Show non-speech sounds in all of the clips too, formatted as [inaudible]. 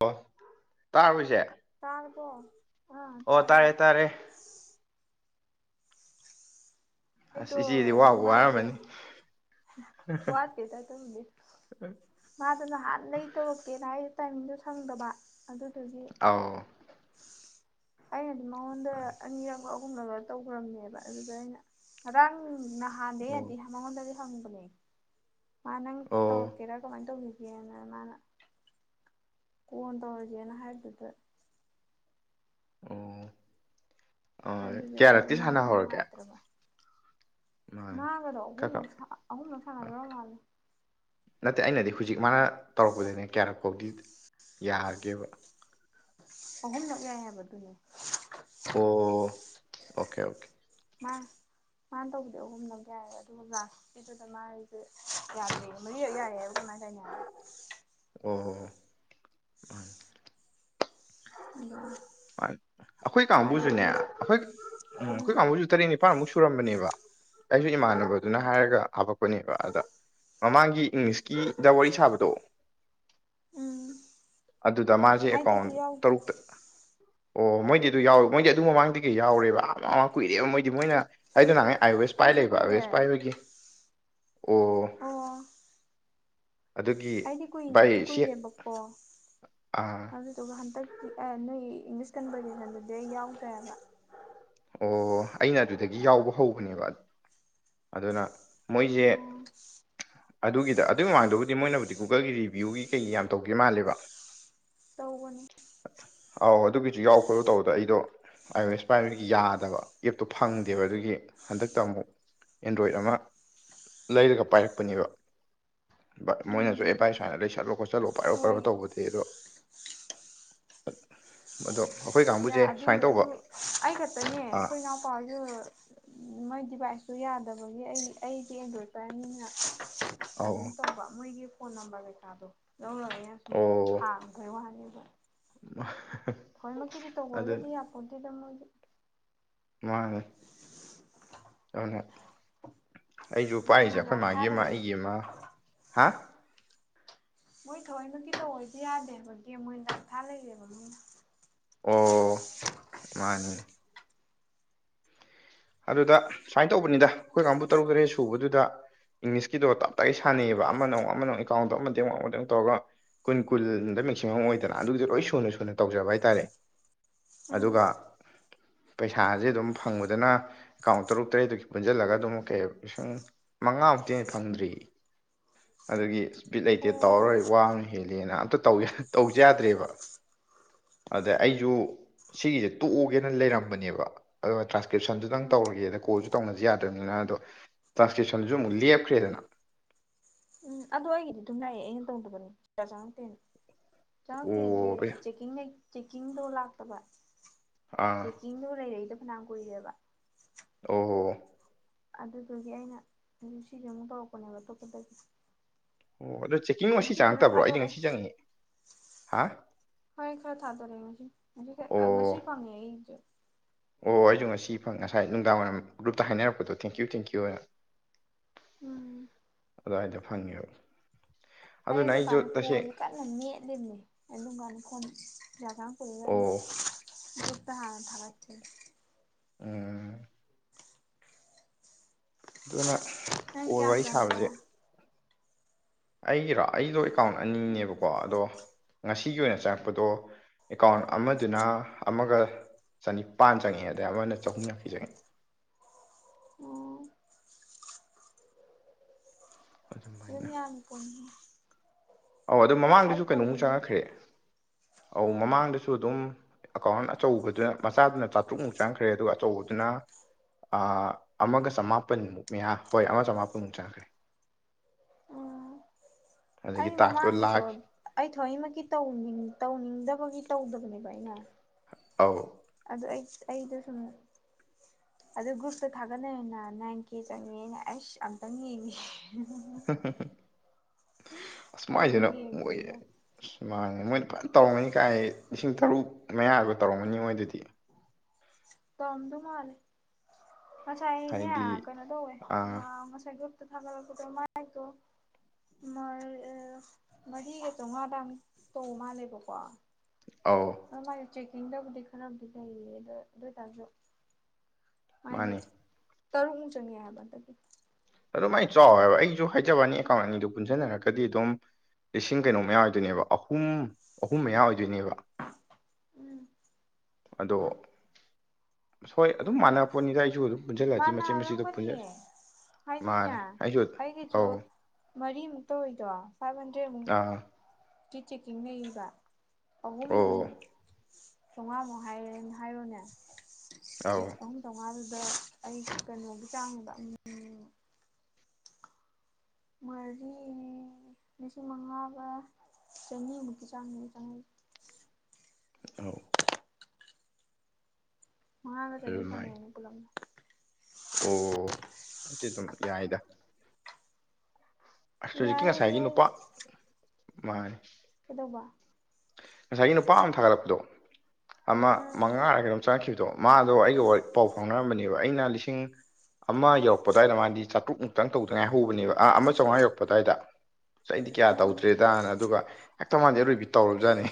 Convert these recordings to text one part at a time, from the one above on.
ꯑꯣ ꯇꯥꯕ꯭ꯔꯥ ꯢꯆꯦ ꯇꯥꯔꯕꯣ ꯑꯣ ꯇꯥꯔꯦ ꯇꯥꯔꯦ ꯑꯩꯗꯣ ꯑꯁ ꯏꯆꯦꯗꯤ ꯋꯥꯕꯨ ꯑꯗꯨꯃꯥꯏꯗꯨ ꯋꯥꯔꯝꯃꯅꯤ ꯋꯥꯠꯇꯦꯗ ꯑꯗꯨꯝꯗꯤ ꯃꯥꯗꯣ ꯅꯍꯥꯟ ꯗꯩ ꯇꯧꯔꯛꯀꯦꯅ ꯍꯥꯏ ꯇꯥꯏꯃꯤꯡꯗꯣ ꯁꯪꯗꯕ ꯑꯗꯨ ꯗꯨꯒꯤ ꯑꯧ ꯑꯩꯅꯗꯤ ꯃꯉꯣꯟꯗ ꯑꯅꯤꯔꯛꯂ ꯑꯍꯨꯔꯛꯂ ꯇꯧꯈ꯭ꯔꯕꯅꯦꯕ ꯑꯗꯨꯗ ꯑꯩꯅ ꯉꯔꯥꯡ ꯅꯍꯥꯟꯗꯩ ꯑꯣ ꯌꯥꯗꯤ ꯃꯉꯣꯟꯗꯗꯤ ꯍꯪꯕꯅꯦ ꯃꯥ ꯅꯪ ꯑꯣ ꯇꯧꯔꯛꯀꯦꯔꯥ ꯀꯃꯥꯏꯟ ꯇꯧꯒꯤꯒꯦꯅ ꯃꯥꯅ ꯀꯣꯟ ꯇꯧꯔꯒꯦꯅ ꯍꯥꯏꯕꯗꯨꯗ ꯑꯣ ꯑꯗꯨꯗꯤ ꯑꯩꯗꯣ ꯀꯌꯥꯔꯛꯇꯤ ꯃꯥꯗꯣ ꯁꯥꯟꯅꯍꯧꯔꯒꯦ ꯃꯥꯅꯦ ꯃꯥꯒꯔꯣ ꯈꯔ ꯑꯍꯨꯝꯂꯛ ꯁꯥ ꯑꯍꯨꯝꯂꯛ ꯈꯔ ꯁꯥꯟꯅꯒ꯭ꯔꯕ ꯃꯥꯜꯂꯦ ꯅꯠꯇꯦ ꯑꯩꯅꯗꯤ ꯍꯨꯖꯤꯛ ꯃꯥꯅ ꯇꯧꯔꯛꯄꯗꯨꯅꯦ ꯀꯌꯥꯔꯛꯐꯥꯎꯗꯤ ꯌꯥꯒꯦꯕ ꯑꯍꯨꯝꯂꯛ ꯌꯥꯏ ꯍꯥꯏꯕꯗꯨꯅꯦ ꯑꯣ ꯑꯣꯀꯦ ꯑꯣꯀꯦ ꯃꯥ ꯃꯥꯟ ꯇꯧꯕꯗꯤ ꯑꯍꯨꯝꯂꯛ ꯌꯥꯏ ꯑꯗꯨ ꯑꯣꯖꯥ ꯀꯤꯗꯨꯗ ꯃꯥꯏꯖꯦ ꯌꯥꯗ꯭ꯔꯦꯌꯦ ꯃꯔꯤꯔꯛ ꯌꯥꯏ ꯍꯥꯏꯕ [unintelligible] ꯍꯥꯏꯗꯥꯏꯅꯦ ꯑꯣ ꯍꯣ ꯍꯣ ꯍꯜꯂꯣ ꯑꯈꯣꯏ ꯀꯥꯡꯕꯨꯖꯨꯅꯦ ꯑꯈꯣꯏ ꯎꯝ ꯑꯈꯣꯏ ꯀꯥꯡꯕꯨꯖꯨ ꯇꯔꯦꯠꯅꯤ ꯄꯥꯥꯟꯃꯨꯛ ꯁꯨꯔꯝꯕꯅꯦꯕ ꯑꯩꯖꯨ ꯏꯃꯥꯟꯅꯕꯗꯨꯅ ꯍꯥꯏꯔꯒ ꯍꯥꯞꯄꯛꯄꯅꯦꯕ ꯑꯗ ꯃꯃꯥꯡꯒꯤ ꯏꯪꯂꯤꯁꯀꯤꯗ ꯋꯥꯔꯤ ꯁꯥꯕꯗꯣ ꯎꯝ ꯑꯗꯨꯗ ꯃꯥꯖꯦ ꯑꯩꯗꯤ ꯑꯦꯀꯥꯎꯟ ꯑꯗꯨ ꯌꯥꯎꯗꯦ ꯇꯔꯨꯛꯇ ꯑꯣ ꯃꯣꯏꯗꯤ ꯑꯗꯨ ꯌꯥꯎ ꯃꯣꯏꯗꯤ ꯑꯗꯨ ꯃꯃꯥꯡꯗꯒꯤ ꯌꯥꯎꯔꯦꯕ ꯑꯥ ꯃꯥꯃꯃꯥꯡ ꯀꯨꯏꯔꯦꯕ ꯃꯣꯏꯗꯤ ꯃꯣꯏꯅ ꯑꯩꯗꯨ ꯅꯍꯥꯟꯉꯩ ꯑꯥꯏ ꯑꯣꯋꯦꯁ ꯄꯥꯏ ꯑꯩꯁꯨ ꯂꯩꯕ ꯑꯥꯏ ꯑꯣ ꯑꯦꯁ ꯀꯨꯏꯔꯦ ꯄꯥꯏꯕꯒꯤ ꯑꯣ ꯑꯣ ꯑꯗꯨꯒꯤ ꯑꯩꯗꯤ ꯀꯨꯏꯗꯤ ꯚꯥꯏ ꯁꯤ ꯀꯨꯏꯔꯦꯕꯀꯣ ꯑꯥ ꯑꯗꯨꯗꯨꯒ ꯍꯟꯗꯛꯀꯤ ꯑꯦ ꯅꯣꯏꯒꯤ ꯏꯪꯂꯤꯁ ꯀꯟꯕꯔꯖꯦꯁꯟꯗꯨꯗꯤ ꯑꯩ ꯌꯥꯎꯗ꯭ꯔꯦꯕ ꯑꯣ ꯑꯩꯅ ꯑꯗꯨꯗꯒꯤ ꯌꯥꯎꯕ ꯍꯧꯕꯅꯦꯕ ꯑꯗꯨꯅ ꯃꯣꯏꯖꯦ ꯑꯣ ꯑꯗꯨꯒꯤꯗ ꯑꯗꯨꯏ ꯃꯃꯥꯡꯗꯕꯨꯗꯤ ꯃꯣꯏꯅꯕꯨꯗꯤ ꯒꯨꯒꯜꯒꯤ ꯔꯤꯕ꯭ꯌꯨꯒꯤ ꯀꯩ ꯌꯥꯝ ꯇꯧꯒꯤ ꯃꯥꯜꯂꯦꯕ ꯇꯧꯕꯅꯤ ꯑꯥꯎ ꯑꯗꯨꯒꯤꯖꯨ ꯌꯥꯎ ꯈꯣꯠꯂꯣ ꯇꯧꯕꯗ ꯑꯩꯗꯣ ꯑꯥꯏ ꯑꯣ ꯑꯦꯁ ꯄꯥꯏꯕꯒꯤ ꯌꯥꯗꯕ ꯑꯦꯞꯇꯣ ꯐꯪꯗꯦꯕ ꯑꯗꯨꯒꯤ ꯍꯟꯗꯛꯇ ꯑꯃꯨꯛ ꯑꯦꯟꯗ꯭ꯔꯣꯏꯠ ꯑꯃ ꯂꯩꯔꯒ ꯄꯥꯏꯔꯛꯄꯅꯦꯕ ꯕ ꯃꯣꯏꯅꯖꯨ ꯑꯦ ꯎꯝ ꯕꯥꯏ ꯁꯨꯃꯥꯏꯅ ꯂꯩꯁꯟꯂꯣ ꯈꯣꯆꯟꯂꯣ ꯄꯥꯏꯔꯣ ꯄꯥꯏꯔꯣ ꯍꯣꯏ ꯇꯧꯕꯗꯤ ꯑꯗꯣ [unintelligible] ꯑꯗꯣ ꯑꯩꯈꯣꯏ ꯌꯥ ꯀꯥꯡꯕꯨꯁꯦ ꯑꯗꯨ ꯁꯨꯃꯥꯏꯟ ꯇꯧꯕ ꯑꯗꯨ ꯑꯩ ꯈꯛꯇꯅꯦ ꯑꯥ ꯑꯩꯈꯣꯏ ꯏꯅꯥꯎꯄꯥꯁꯨ ꯃꯣꯏ ꯗꯤꯚꯥꯏꯁꯇꯨ ꯌꯥꯗꯕꯒꯤ ꯑꯩ ꯑꯩꯗꯤ ꯑꯦꯟꯗ꯭ꯔꯣꯠ ꯄꯥꯏꯕꯅꯤꯅ ꯑꯗꯨꯝ ꯑꯧ ꯇꯧꯕ ꯃꯣꯏꯒꯤ ꯐꯣꯟ ꯅꯝꯕꯔ ꯀꯩꯀꯥꯗꯣ ꯂꯧꯔꯒꯦꯅ ꯁꯨꯝ ꯑꯣ ꯍꯥꯡꯕꯩ ꯋꯥꯅꯤ ꯑꯗꯣ [unintelligible] ꯊꯣꯏꯅꯃꯛꯀꯤꯗꯤ ꯑꯗꯨ ꯇꯧꯕꯒꯗꯤ ꯌꯥꯄꯣꯟꯗꯦꯗ ꯃꯣꯏꯗꯤ ꯃꯥꯅꯤ ꯑꯗꯨꯅꯦ ꯑꯩꯁꯨ ꯄꯥꯏꯔꯤꯁꯦ ꯒꯦꯝ ꯑꯩꯈꯣꯏ ꯂꯥꯛꯊꯥ ꯃꯥꯒꯤ ꯑꯃ ꯂꯩꯔꯦ ꯑꯩꯒꯤ ꯑꯃ ꯍꯥ ꯃꯣꯏ ꯊꯑꯣꯏꯅ ꯇꯧ ꯍꯥꯏꯗꯤ ꯌꯥꯗꯦ ꯍꯥꯏꯕꯒꯤ ꯃꯣꯏ ꯂꯥꯛꯊꯥ ꯂꯩꯔꯦꯕ ꯃꯤꯅ ꯑꯣ ꯃꯥꯅꯤ ꯑꯗꯨꯗ ꯁꯨꯃꯥꯏꯅ ꯇꯧꯕꯅꯤꯗ ꯑꯩꯈꯣꯏ ꯀꯥꯡꯕꯨ ꯇꯔꯨꯛ ꯇꯔꯦꯠ ꯁꯨꯕꯗꯨꯗ ꯏꯪꯂꯤꯁꯀꯤꯗꯣ ꯇꯞꯇꯥꯏ ꯁꯥꯟꯅꯩꯑꯕ ꯑꯃꯅ ꯑꯃ ꯑꯃꯅꯃꯨꯛ ꯑꯦꯀꯥꯎꯟꯗꯣ ꯑꯃꯗꯩ ꯑꯃꯨꯛ ꯑꯃꯗꯩ ꯇꯧꯔꯒ ꯑꯩꯈꯣꯏꯅ ꯀꯨꯟꯗ ꯃꯦꯛꯁꯤꯃꯝ ꯑꯣꯏꯗꯅ ꯑꯗꯨꯒꯤꯁꯨ ꯂꯣꯏ ꯁꯨꯅ ꯁꯨꯅ ꯇꯧꯖꯕ ꯍꯥꯏꯇꯥꯔꯦ ꯎꯝ ꯑꯗꯨꯒ ꯄꯩꯁꯥꯁꯦ ꯑꯗꯨꯝ ꯐꯪꯕꯗꯅ ꯑꯦꯀꯥꯎꯟ ꯇꯔꯨꯛ ꯇꯔꯦꯠꯇꯒꯤ ꯄꯨꯟꯁꯤꯜꯂꯒ ꯑꯗꯨꯛ ꯀꯩ ꯂꯤꯁꯤꯡ ꯃꯉꯥꯃꯨꯛꯇꯩ ꯍꯦꯟꯅ ꯐꯪꯗ꯭ꯔꯤ ꯑꯗꯒꯤ ꯕꯤꯠ ꯂꯩꯇꯦ ꯑꯣ ꯇꯧꯔꯔꯣꯏ ꯋꯥꯕꯅ ꯍꯦꯜꯂꯤꯅ ꯑꯝꯇ ꯇꯧꯖꯦ ꯌꯥꯗ꯭ꯔꯦꯕ ꯑꯗ ꯑꯩꯁꯨ ꯁꯤꯒꯤꯖꯦ ꯇꯣꯛꯑꯣꯒꯦꯅ ꯂꯩꯔꯝꯕꯅꯦꯕ ꯑꯗꯨꯒ ꯇ꯭ꯔꯥꯟꯁꯀ꯭ꯔꯤꯞꯁꯟꯗꯨꯗꯪ ꯎꯝ ꯇꯧꯔꯒꯦꯗ ꯀꯣꯜꯁꯨ ꯇꯧꯅꯁꯤ ꯌꯥꯗꯕꯅꯤꯅ ꯑꯗꯣ ꯇ꯭ꯔꯥꯟꯁꯀ꯭ꯔꯤꯞꯁꯟꯁꯨ ꯑꯃꯨꯛ ꯂꯦꯞꯈ꯭ꯔꯦꯗꯅ ꯎꯝ ꯑꯗꯨ ꯑꯩꯒꯤꯗꯤ ꯑꯗꯨꯝ ꯂꯥꯛꯑꯦ ꯑꯩꯅ ꯇꯧꯗꯕꯅꯤ ꯆꯥꯉꯛꯇꯦ ꯆꯥꯉꯛꯇꯦꯗꯤ ꯑꯣ ꯕꯦ ꯆꯦꯀꯤꯡ ꯆꯦꯛꯀꯤꯡꯗꯣ ꯂꯥꯛꯇꯕ ꯑꯥ ꯆꯤꯡꯗꯣ ꯂꯩꯔꯛꯏꯖ ꯐꯅꯥꯝ ꯀꯨꯏꯔꯦꯕ ꯑꯣ ꯑꯗꯨꯗꯨꯒꯤ ꯑꯩꯅ ꯍꯧ ꯁꯤꯁꯦ ꯑꯃꯨꯛ ꯇꯧꯔꯛꯄꯅꯦꯕ ꯑꯇꯣꯞꯄꯗꯒꯤ ꯑꯣ ꯑꯗꯣ ꯆꯦꯛꯀꯤꯡ ꯉꯁꯤ ꯈꯔ ꯆꯪꯉꯛꯇꯕ꯭ꯔꯣ ꯑꯩꯗꯤ ꯊꯥꯗꯣꯔꯛꯑꯦ ꯉꯁꯤ ꯆꯪꯉꯛꯑꯦ ꯍꯥ ꯍꯣꯏ ꯈꯔ ꯊꯥꯗꯣꯔꯛꯑꯦ ꯉꯁꯤ ꯈꯔ ꯑꯣ ꯉꯁꯤ ꯐꯪꯉꯦ ꯑꯩꯁꯨ ꯑꯣ ꯑꯩꯁꯨ ꯉꯁꯤ ꯐꯪ ꯉꯁꯥꯏ ꯅꯨꯡꯗꯥꯡ ꯋꯥꯏꯔꯝ ꯒ꯭ꯔꯨꯞꯇ ꯍꯥꯏꯅꯔꯛꯄꯗꯣ ꯊꯦꯡꯀ꯭ꯌꯨ ꯊꯦꯡꯀ꯭ꯌꯨ ꯑꯅ ꯎꯝ ꯑꯗꯨꯋꯥꯏꯗ ꯐꯪꯉꯦꯕ ꯑꯩꯁꯨ ꯑꯗꯨꯅ ꯗꯨꯀꯥꯟ ꯇꯁꯦꯡ ꯐꯣꯟꯖꯤ ꯀꯥꯟ ꯃꯦꯠꯂꯤꯕꯅꯦ ꯑꯗꯨꯝ ꯀꯥꯟꯗ [unintelligible] ꯄꯩꯁꯥ ꯆꯪꯉꯛꯄꯗꯨꯗ ꯑꯩꯅ ꯑꯣ ꯅꯍꯥꯟ ꯊꯥꯔꯛꯇꯦ ꯎꯝ ꯑꯗꯨꯅ ꯅꯪ ꯀꯣꯜ ꯀꯌꯥꯝ ꯋꯥꯔꯤ ꯆꯪꯉꯛꯀꯦ ꯁꯥꯕꯁꯦ ꯑꯩꯒꯤꯔꯣ ꯑꯩꯗꯣ ꯑꯦꯀꯥꯎꯟ ꯑꯅꯤꯅꯦꯕꯀꯣ ꯑꯗꯣ ꯉꯁꯤꯒꯤ ꯑꯣꯏꯅ ꯆꯪꯉꯛꯄꯗꯣ ꯑꯦꯀꯥꯎꯟ ꯑꯃꯗꯨꯅ ꯑꯃꯒ ꯆꯅꯤꯄꯥꯟ ꯆꯪꯉꯛꯑꯦ ꯑꯗꯩ ꯑꯃꯅ ꯆꯍꯨꯝ ꯌꯥꯡꯈꯩ ꯆꯪꯉꯦ ꯑꯣ ꯑꯗꯨꯝ ꯑꯗꯨꯃꯥꯏꯅ ꯌꯥꯝꯃꯤ ꯀꯣ ꯑꯧ ꯑꯗꯨ ꯃꯃꯥꯡꯗꯁꯨ ꯀꯩꯅꯣꯃꯨꯛ ꯀꯧꯒꯨꯝꯕꯅꯤ ꯆꯪꯉꯛꯈ꯭ꯔꯦ ꯑꯧ ꯃꯃꯥꯡꯗꯁꯨ ꯑꯗꯨꯝ ꯑꯀꯥꯎꯟ ꯑꯆꯧꯕꯗꯨꯅ ꯃꯆꯥꯗꯨꯅ ꯆꯥꯇ꯭ꯔꯨꯛꯃꯨꯛ ꯆꯪꯈ꯭ꯔꯦ ꯑꯗꯨꯒ ꯑꯆꯧꯕꯗꯨꯅ ꯑꯃꯒ ꯆꯃꯥꯄꯟꯃꯨꯛ ꯃꯌꯥ ꯍꯣꯏ ꯑꯃ ꯆꯃꯥꯄꯟꯃꯨꯛ ꯆꯪꯈ꯭ꯔꯦ [unintelligible] ꯑꯗꯒꯤ ꯑꯩ ꯇꯥꯛꯁꯇꯣ ꯃꯃꯥꯡꯒꯤꯗꯣ ꯂꯥꯛ ꯑꯩ ꯊꯑꯣꯏꯃꯛꯀꯤ ꯇꯧꯅꯤꯡ ꯇꯧꯅꯤꯡꯗꯕꯒꯤ ꯇꯧꯗꯕꯅꯦꯕ ꯑꯩꯅ ꯑꯧ ꯑꯗꯨ ꯑꯩ ꯑꯩꯗꯣ ꯁꯨꯝ ꯑꯗꯨ ꯒ꯭ꯔꯨꯞꯇ ꯊꯥꯒꯠꯅꯩꯅ ꯅꯥꯏꯟ ꯀꯦ ꯆꯪꯉꯦꯅ ꯑꯩꯁ ꯑꯝꯇꯪ ꯌꯦꯡꯉꯦ ꯑꯁ ꯈꯔꯖꯨ ꯃꯥꯏꯁꯤꯅ ꯃꯣꯏ ꯌꯦꯡꯕꯅꯤꯗ ꯑꯁ ꯃꯥꯡꯉꯦ ꯃꯣꯏꯅ ꯐꯟ ꯇꯧꯔꯝꯒꯅꯤ ꯀꯥꯏ ꯂꯤꯁꯤꯡ ꯇꯔꯨꯛ ꯃꯌꯥꯒ ꯇꯧꯔꯝꯒꯅꯤ ꯃꯣꯏ ꯑꯗꯨꯗꯤ ꯇꯝꯗꯨ ꯃꯥꯜꯂꯤ ꯉꯁꯥꯏ ꯍꯥꯏꯗꯤ ꯑꯩꯅꯦ ꯀꯩꯅꯣ ꯇꯧꯋꯦ ꯑꯥ ꯑ ꯉꯁꯥꯏ ꯒ꯭ꯔꯨꯞꯇ ꯊꯥꯒꯠꯂꯛꯄꯗꯣ ꯃꯥꯏꯗꯣ ꯃꯔ ꯑ ꯃꯔꯤꯒ ꯆꯧꯃꯉꯥ ꯑꯗꯥꯏꯃꯨꯛ ꯇꯧ ꯃꯥꯜꯂꯦꯕꯀꯣ ꯑꯧ ꯑ ꯃꯥꯏꯖꯦ ꯆꯦꯛꯀꯤꯡꯗꯕꯨꯗꯤ ꯈꯔꯕꯨꯗꯤ ꯂꯩꯌꯦ ꯑꯗꯣ ꯑꯗꯨ ꯑꯣꯏꯇꯥꯔꯁꯨ ꯃꯥꯐꯗꯤ ꯃꯥꯅꯤ ꯇꯔꯨꯛꯃꯨꯛ ꯆꯪꯉꯦ ꯍꯥꯏꯕ ꯍꯟꯗꯛꯀꯤ ꯑꯗꯣ ꯃꯥꯏ ꯆꯥꯎꯋꯦ ꯍꯥꯏꯕ ꯑꯩꯖꯨ ꯍꯥꯏꯖꯋꯥꯅꯤ ꯑꯦꯀꯥꯎꯟ ꯑꯅꯤꯗꯨ ꯄꯨꯟꯖꯟꯅꯔꯒꯗꯤ ꯑꯗꯨꯝ ꯂꯤꯁꯤꯡ ꯀꯩꯅꯣ ꯃꯌꯥ ꯑꯣꯏꯗꯣꯏꯅꯦꯕ ꯑꯍꯨꯝ ꯑꯍꯨꯝ ꯃꯌꯥ ꯑꯣꯏꯗꯣꯏꯅꯦꯕ ꯎꯝ ꯑꯗꯣ ꯍꯣꯏ ꯑꯗꯨꯝ ꯃꯥꯟꯅ ꯄꯣꯠꯅꯤꯗ ꯑꯩꯁꯨ ꯑꯗꯨꯝ ꯄꯨꯟꯁꯤꯜꯂꯗꯤ ꯃꯆꯦꯠ ꯃꯆꯦꯠꯇꯣ ꯄꯨꯟꯁꯤꯜ ꯃꯥꯟꯅꯔꯝꯒꯅꯤꯌꯦ ꯍꯥꯏꯗꯤꯅꯦ ꯃꯥꯅꯤ ꯑꯩꯁꯨ ꯑꯩꯒꯤꯖꯨ ꯑꯧ ꯃꯔꯤꯃꯨꯛ ꯇꯧꯋꯤꯗꯣ ꯐꯥꯏꯚ ꯍꯟꯗ꯭ꯔꯦꯗꯃꯨꯛ ꯑꯥ ꯆꯦꯛꯀꯤꯡ ꯂꯩꯌꯦꯕ ꯑꯍꯨꯝ ꯑꯣ ꯆꯧꯉꯥꯃꯨꯛ ꯍꯥꯏꯔꯦꯟ ꯍꯥꯏꯔꯣꯅꯦ ꯑꯧ ꯆꯦꯛ ꯑꯍꯨꯝ ꯆꯧꯉꯥꯗꯨꯗ ꯑꯩ ꯀꯩꯅꯣꯒꯤ ꯆꯥꯡꯗ ꯎꯝ ꯎꯝ ꯃꯔꯤ ꯂꯤꯁꯤꯡ ꯃꯉꯥꯒ ꯆꯅꯤꯃꯨꯛꯀꯤ ꯆꯥꯡꯅꯦ ꯆꯪꯉꯛꯏ ꯑꯥꯎ ꯃꯉꯥꯒ ꯆꯅꯤ ꯑꯗꯨꯃꯥꯏ ꯐꯪꯉꯦꯅꯦ ꯄꯨꯜꯂꯞꯅ ꯑꯣ ꯍꯧꯖꯤ ꯑꯗꯨꯝ ꯌꯥꯏꯗ ꯑꯁ ꯍꯧꯖꯤꯛꯀꯤ ꯌꯥꯏ ꯑꯗꯣ ꯉꯁꯥꯏꯒꯤ ꯑꯩ ꯅꯨꯄꯥ ꯃꯥꯅꯦ ꯀꯩꯗꯧꯕ ꯉꯁꯥꯏꯒꯤ ꯅꯨꯄꯥ ꯑꯝ ꯊꯥꯒꯠꯂꯛꯄꯗꯣ ꯑꯃ ꯎꯝ ꯃꯉꯥꯔ ꯀꯩꯅꯣꯝ ꯆꯪꯉꯛꯈꯤꯕꯗꯣ ꯃꯥꯗꯣ ꯑꯩꯒ ꯋꯥꯔꯤ ꯄꯥꯎ ꯐꯥꯎꯅꯔꯝꯕꯅꯦꯕ ꯑꯩꯅ ꯂꯤꯁꯤꯡ ꯑꯃ ꯌꯧꯔꯛꯄ ꯑꯗꯨꯋꯥꯏꯗ ꯃꯥꯗꯤ ꯆꯥꯇ꯭ꯔꯨꯛ ꯃꯨꯛꯇꯪ ꯇꯧꯗ ꯉꯥꯏꯍꯧꯕꯅꯦꯕ ꯑꯥ ꯆꯧꯉꯥ ꯌꯧ ꯄꯗꯥꯏꯗ ꯆꯩꯗꯤ ꯀꯌꯥ ꯎꯝ ꯇꯧꯗ꯭ꯔꯦꯗꯅ ꯑꯗꯨꯒ ꯍꯦꯛꯇ ꯃꯥꯗꯤ ꯑꯔꯣꯏꯕꯤ ꯇꯧꯔꯕꯖꯥꯠꯅꯦ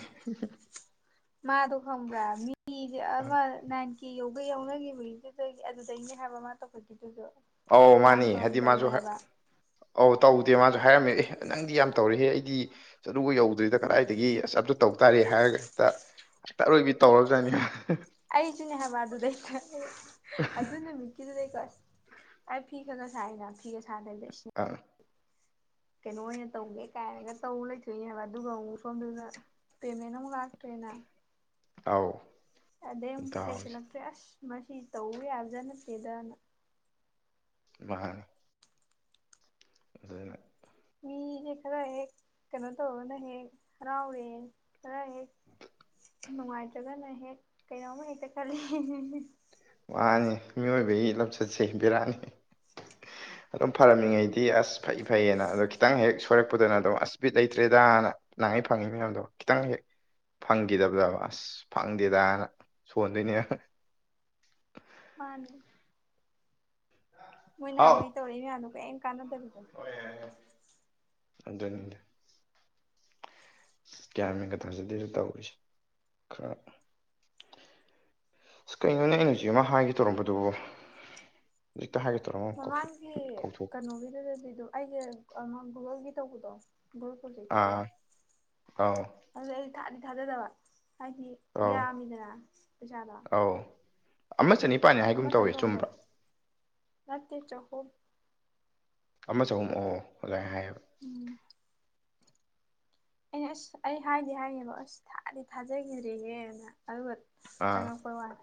ꯃꯥꯗꯣ ꯈꯪꯕ꯭ꯔꯥ ꯃꯤꯖꯦ ꯑꯃ ꯅꯥꯏꯟ ꯀꯦ ꯌꯧꯒ ꯌꯧꯅꯒꯤꯕꯩꯗꯨꯗꯒꯤ ꯑꯗꯨꯗꯩꯅꯦ ꯍꯥꯏꯕ ꯃꯥ ꯇꯧꯈꯠꯈꯤꯗꯣꯏꯗꯣ ꯑꯧ ꯃꯥꯅꯦ ꯍꯥꯏꯗꯤ ꯃꯥꯖꯨ ꯍꯦꯛ ꯑꯧ ꯇꯧꯗꯦ ꯃꯥꯖꯨ ꯍꯥꯏꯔꯝꯃꯦ ꯑꯦ ꯅꯪꯗꯤ ꯌꯥꯝ ꯇꯧꯔꯦꯍꯦ ꯑꯩꯗꯤ ꯑꯁ ꯑꯗꯨꯒ ꯌꯧꯗ꯭ꯔꯤꯗ ꯀꯗꯥꯏꯗꯒꯤ ꯑꯁ ꯑꯝꯇꯥ ꯇꯧ ꯇꯥꯔꯦ ꯍꯥꯏꯔꯒ ꯍꯦꯛꯇ ꯍꯦꯛꯇ ꯑꯔꯣꯏꯕꯤ ꯇꯧꯔꯕꯖꯥꯠꯅꯤ ꯑꯩꯖꯨꯅꯦ ꯍꯥꯏꯕ ꯑꯗꯨꯗꯩꯗ ꯑꯩ ꯑꯗꯨ ꯅꯨꯃꯤꯠ ꯀꯤꯗꯨꯗꯩꯀꯣ ꯑꯁ ꯑꯩ ꯐꯤ ꯈꯥꯒ ꯁꯥꯏꯅ ꯐꯤꯒ ꯁꯥꯗꯕꯤꯗ ꯏꯁ [unintelligible] ꯀꯩꯅꯣ ꯑꯣꯏꯅ ꯇꯧꯒꯦ ꯀꯥꯏꯅꯒ ꯇꯧ ꯂꯩꯊꯣꯛꯏꯅꯦ ꯍꯥꯏꯕ ꯑꯗꯨꯒ ꯑꯃꯨꯛ ꯁꯣꯝꯗꯅ ꯄꯦꯃꯦꯟ ꯑꯃꯨꯛ ꯂꯥꯛꯇ꯭ꯔꯦꯅ ꯑꯥꯎ ꯑꯗꯩ ꯑꯃꯨꯛ ꯕꯤꯠ ꯂꯩꯁꯤꯜꯂꯛꯇ꯭ꯔꯦ ꯑꯁ ꯃꯁꯤ ꯇꯧꯔꯨ ꯌꯥꯕꯖꯥꯠ ꯅꯠꯇꯦꯗꯅ ꯃꯥꯅꯤ ꯑꯗꯨꯅ ꯃꯤꯖꯦ ꯈꯔ ꯍꯦꯛ ꯀꯩꯅꯣ ꯇꯧꯔꯒꯅ ꯍꯦꯛ ꯍꯔꯥꯎꯔꯦ ꯈꯔ ꯍꯦꯛ ꯅꯨꯡꯉꯥꯏꯇ꯭ꯔꯒꯅ ꯍꯦꯛ ꯀꯩꯅꯣꯝꯃ ꯍꯦꯛꯇ ꯈꯜꯂꯤ ꯃꯥꯅꯤ ꯃꯤꯑꯣꯏꯕꯒꯤ ꯂꯝꯆꯠꯁꯦ ꯕꯤꯔꯥꯅꯤ [inaudible] ꯑꯗꯨꯝ ꯐꯔꯝꯃꯤꯉꯩꯗꯤ ꯑꯁ ꯐꯩ ꯐꯩꯌꯦꯅ ꯑꯗꯣ ꯈꯤꯇꯪ ꯍꯦꯛ ꯁꯣꯏꯔꯛꯄꯗꯅ ꯑꯗꯨꯝ ꯑꯁ ꯕꯤꯠ ꯂꯩꯇ꯭ꯔꯦꯗꯥꯅ ꯅꯪ ꯍꯦꯛ ꯐꯪꯉꯤꯕꯅꯤꯅ ꯑꯗꯣ ꯈꯤꯠꯇꯪ ꯍꯦꯛ ꯐꯪꯒꯤꯗꯕꯔ ꯑꯁ ꯐꯪꯗꯦꯗ ꯐꯣꯟꯗꯩꯅꯦꯅ ꯄꯥꯟ ꯃꯣꯏ ꯍꯥꯎ ꯅꯍꯥꯟꯉꯣꯏ ꯇꯧꯔꯛꯏ ꯃꯌꯥꯝꯗꯣ ꯀ꯭ꯌꯤꯝ ꯀꯥꯟꯅꯗꯕꯤꯗ [unintelligible] ꯑꯗꯨꯅꯤꯗ ꯏꯁ ꯒ꯭ꯌꯥꯟ ꯃꯦꯟꯒ ꯇꯥꯖꯗꯦꯗ ꯇꯧꯔꯤꯁꯦ ꯈꯔ ꯑꯁ ꯀꯩꯅꯣꯅꯦ ꯑꯩꯅ ꯍꯧꯖꯤꯛ ꯑꯃ ꯍꯥꯏꯒꯦ ꯇꯧꯔꯝꯕꯗꯨꯕꯨ ꯍꯧꯖꯤꯛꯇ ꯍꯥꯏꯒꯦ ꯇꯧꯔꯝꯃ ꯃꯃꯥꯡꯒꯤ ꯀꯩꯅꯣꯒꯤꯗꯨꯗꯗꯤ ꯑꯗꯨꯝ ꯑꯩꯁꯦ ꯑꯃ ꯒꯨꯒꯜꯒꯤ ꯇꯧꯕꯗꯣ ꯒꯨꯒꯜ ꯄ꯭ꯔꯣꯖꯦꯛꯀꯤꯗꯣ ꯑꯥ ꯑꯧ ꯑꯗꯨꯗꯤ ꯑꯩ ꯊꯥꯗꯤ ꯊꯥꯖꯗꯕ ꯍꯥꯏꯗꯤ ꯑꯧ ꯌꯥꯝꯃꯤꯗꯅ ꯄꯩꯁꯥꯗꯣ ꯑꯧ ꯑꯃ ꯆꯅꯤꯄꯥꯥꯟꯅꯦ ꯍꯥꯏ ꯑꯃꯇꯪ ꯇꯣꯡꯗꯣ ꯅꯠꯇꯦ ꯆꯍꯨꯝ ꯑꯃ ꯆꯍꯨꯝ ꯑꯣ ꯑꯣ ꯑꯗꯨꯃꯥꯏ ꯍꯥꯏꯌꯦꯕ ꯎꯝ ꯑꯩꯅ ꯑꯁ ꯑꯩ ꯍꯥꯏꯗꯤ ꯍꯥꯏꯒꯦꯕ ꯑꯁ ꯊꯥꯗꯤ ꯊꯥꯖꯒꯤꯗ꯭ꯔꯦꯍꯦꯅ ꯑꯗꯨꯒ ꯑꯥ ꯆꯪꯉꯛꯄꯩ ꯋꯥꯅꯤ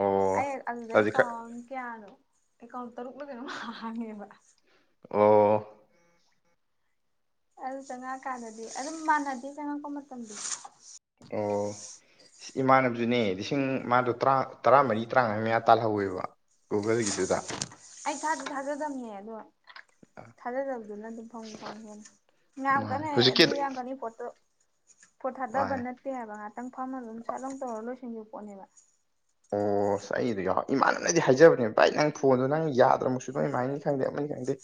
ꯑꯣ ꯑꯩ ꯑꯗꯨꯗ ꯍꯧꯖꯤꯛ ꯈꯔ ꯑꯦꯀꯥꯎꯟ ꯀꯌꯥꯅꯣ ꯑꯦꯀꯥꯎꯟ ꯇꯔꯨꯛꯂ ꯀꯩꯅꯣꯝ ꯍꯥꯡꯉꯦꯕ ꯑꯣ ꯑꯗꯨ ꯆꯪꯉꯛꯑꯀꯥꯟꯗꯗꯤ ꯑꯗꯨꯝ ꯃꯥꯟꯅꯗꯦ ꯆꯪꯉꯛꯄ ꯃꯇꯝꯗꯤ ꯑꯣ ꯏꯁ ꯏꯃꯥꯟꯅꯕꯖꯨꯅꯦ ꯂꯤꯁꯤꯡ ꯃꯥꯗꯣ ꯇꯔꯥ ꯇꯔꯥꯃꯔꯤ ꯇꯔꯥꯉꯥꯒꯤ ꯃꯌꯥ ꯇꯥꯜꯍꯧꯋꯦꯕ ꯒꯨꯒꯜꯒꯤꯗꯨꯗ ꯑꯩ ꯊꯥꯗꯤ ꯊꯥꯖꯗꯝꯅꯦ ꯑꯗꯨꯒ ꯊꯥꯖꯗꯕꯗꯨꯅ ꯑꯗꯨꯝ ꯐꯪꯕꯨ ꯐꯪꯉꯤ ꯌꯥꯝ ꯃꯥꯅꯦ ꯀꯟꯅ ꯍꯦ ꯍꯧꯖꯤꯛꯀꯤ ꯑꯗꯨ ꯌꯥꯝ ꯀꯟꯅ ꯏꯐ꯭ꯔꯣꯠ ꯇꯣ ꯏꯐ꯭ꯔꯣꯠ ꯊꯥꯗꯕ ꯃꯥꯅꯦ ꯅꯠꯇꯦ ꯍꯥꯏꯕ ꯉꯥꯛꯇꯪ ꯐꯝꯃꯒ ꯑꯗꯨꯝ ꯁꯠꯂꯥꯎꯅ ꯇꯧꯔ ꯂꯣꯏꯁꯤꯟꯒꯤꯕ ꯄꯣꯠꯅꯦꯕ ꯑꯣ ꯑꯁ ꯑꯩ ꯑꯗꯨ ꯌꯥꯎ ꯏꯃꯥꯟꯅꯅꯗꯤ ꯍꯥꯏꯖꯕꯅꯦꯕ ꯚꯥꯏ ꯅꯪ ꯐꯣꯟꯗꯣ ꯅꯪ ꯌꯥꯗ꯭ꯔꯃꯛꯁꯨ ꯅꯣꯏ ꯏꯃꯥꯏꯅꯤ ꯈꯪꯗꯦ ꯑꯃꯅꯤ ꯈꯪꯗꯦ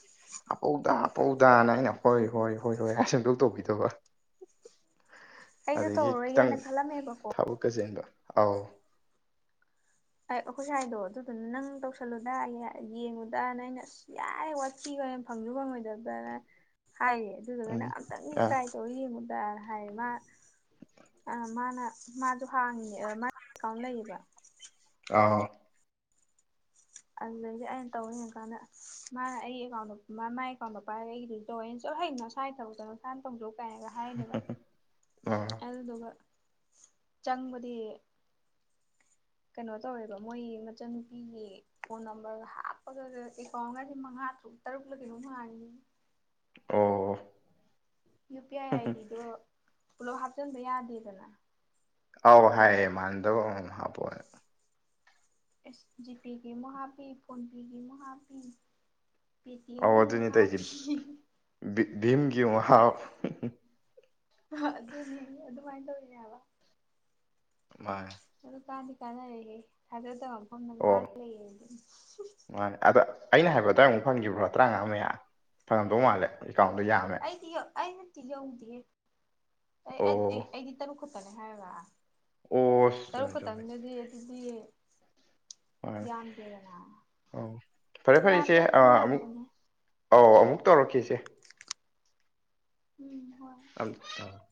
ꯍꯥꯞꯐꯧꯗ ꯍꯥꯞꯐꯧꯗꯅ ꯑꯩꯅ ꯍꯣꯏ ꯍꯣꯏ ꯍꯣꯏ ꯍꯣꯏ ꯍꯥꯏꯔ ꯁꯨꯡꯇꯧ ꯇꯧꯒꯤꯗꯕ ꯑꯩꯁꯨ ꯇꯧꯔꯔꯣꯏꯒꯦꯅ ꯈꯜꯂꯝꯃꯦꯕꯀꯣ꯫ ꯊꯕꯛꯀ ꯆꯦꯟꯕ ꯑꯥꯎ ꯑꯩꯈꯣꯏ ꯁꯥꯏꯗꯣ ꯑꯗꯨꯗꯨꯅ ꯅꯪ ꯇꯧꯁꯜꯂꯨꯗ ꯌꯦꯡꯉꯨꯗ ꯑꯅ ꯑꯩꯅ꯫ ꯌꯥꯔꯦ ꯋꯥꯊꯤ ꯋꯥꯔꯦꯝ ꯐꯪꯖꯨ ꯐꯪꯉꯣꯏꯗꯕꯅ ꯍꯥꯏꯌꯦ ꯑꯗꯨꯗꯨꯒ ꯎꯝ ꯅꯪ ꯑꯝꯇꯪꯗꯤ ꯑꯥ ꯇ꯭ꯔꯥꯏ ꯇꯧꯔ ꯌꯦꯡꯉꯨꯗ ꯍꯥꯏ ꯃꯥ ꯑ ꯃꯥꯅ ꯃꯥꯁꯨ ꯍꯥꯡꯉꯤꯕ ꯑ ꯃꯥꯒꯤ ꯀꯥꯎꯟ ꯂꯩꯌꯦꯕ ꯑꯥ ꯑꯗꯨꯗꯩꯗꯤ ꯑꯩꯅ ꯇꯧ ꯌꯦꯡ ꯀꯥꯟꯗ ꯃꯥꯅ ꯑꯩꯒꯤ ꯑꯦꯀꯥꯎꯟꯗꯣ ꯃꯥꯏ ꯑꯦꯀꯥꯎꯟꯗꯣ ꯄꯥꯏꯔꯒ ꯑꯩꯒꯤꯗꯤ ꯇꯧꯋꯦ ꯑꯩꯅ ꯆꯣꯏꯍꯩ ꯅꯁꯛ ꯍꯥꯏ ꯇꯧꯖꯧ ꯏꯁꯥꯟꯅ ꯇꯧꯖꯧ ꯀꯥꯏꯅꯒ ꯍꯥꯏꯅꯦꯕ ꯑꯥ ꯑꯗꯨꯗꯨꯒ ꯆꯪꯕꯗꯤ꯫ ꯀꯩꯅꯣ ꯇꯧꯋꯦꯕ ꯃꯣꯏ ꯃꯆꯟꯅꯨꯄꯤꯒꯤ ꯐꯣꯟ ꯅꯝꯕꯔ ꯍꯥꯞꯄꯒ ꯑꯦꯀꯥꯎꯟꯒꯁꯦ ꯃꯉꯥ ꯇ꯭ꯔꯨꯛ ꯇꯔꯨꯛꯂ ꯀꯩꯅꯣꯝ ꯍꯥꯡꯉꯤꯏ ꯑꯣ ꯌꯨ ꯄꯤ ꯑꯥꯏ ꯑꯥꯏꯗꯤꯗꯣ ꯄꯨꯂꯞ ꯍꯥꯞꯆꯤꯟꯕ ꯌꯥꯗꯦꯗꯅ ꯑꯥꯎ ꯑꯗꯨꯗꯨꯅ ꯍꯥꯏꯌꯦ ꯃꯥꯟꯅꯗꯕ ꯑꯃꯃꯝ ꯍꯥꯞꯄꯣꯅ꯫ ꯑꯦꯁ ꯖꯤꯄꯦꯒꯤ ꯑꯃꯨ ꯍꯥꯞꯄꯤ ꯐꯣꯟꯄꯦꯒꯤ ꯑꯃꯨ ꯍꯥꯞꯄꯤ ꯄꯤꯇꯤꯑꯦꯝ ꯑꯧ ꯒꯤ ꯑꯃꯨ ꯑꯗꯨꯅꯤ ꯇꯧꯔꯤꯁꯦ ꯍꯥꯞꯄꯤ ꯚꯤ ꯚꯤꯝꯒꯤ ꯑꯃꯨ ꯍꯥꯞ ꯑꯗꯨꯅꯦ ꯑꯗꯨꯃꯥꯏꯟ ꯇꯧꯏꯅꯦ ꯍꯥꯕ꯫ ꯃꯥꯟꯅꯦ ꯑꯗꯨ ꯀꯥꯟꯗꯤ ꯀꯥꯟꯅꯔꯦꯍꯦ ꯊꯥꯖꯗꯕ ꯃꯐꯝꯗ ꯉꯥ ꯑꯣ ꯂꯩ ꯑꯗꯨꯅꯤ ꯃꯥꯅꯦ ꯑꯗꯣ ꯑꯩꯅ ꯍꯥꯏꯕ ꯑꯗꯨꯋꯥꯏꯃꯨꯛ ꯐꯪꯒꯤꯕ꯭ꯔꯣ ꯇ꯭ꯔꯥꯉꯥ ꯃꯌꯥ? ꯐꯪꯉꯝꯗꯧ ꯃꯥꯜꯂꯦ ꯑꯦꯀꯥꯎꯟꯗꯣ ꯌꯥꯝꯃꯦ꯫ ꯑꯩꯗꯤ ꯌꯧ ꯑꯩ ꯅꯠꯇꯤ ꯌꯧꯗꯦꯍꯦ ꯑꯩ ꯑꯣ ꯑꯩ ꯑꯦ ꯑꯩꯗꯤ ꯇꯔꯨꯛ ꯈꯛꯇꯅꯦ ꯍꯥꯏꯔꯒ ꯑꯣ ꯑꯁ ꯇꯔꯨꯛ ꯆꯨꯝꯃꯦ ꯆꯨꯝꯃꯦ ꯈꯛꯇꯪꯗꯗꯤ ꯑꯗꯨꯗꯤ ꯃꯥꯅꯦ ꯌꯥꯝꯗꯦꯗꯅ ꯑꯧ ꯐꯔꯦ ꯐꯔꯦ ꯌꯥꯝꯗꯦ ꯏꯆꯦ ꯍꯥꯏꯗꯤ ꯑ ꯑꯗꯨꯝ ꯑꯃꯨꯛ ꯌꯥꯝꯃꯤꯄꯣꯠꯅꯦ ꯑꯧ ꯑꯃꯨꯛ ꯇꯧꯔꯛꯀꯦ ꯏꯆꯦ꯫ ꯎꯝ ꯍꯣꯏ [unintelligible]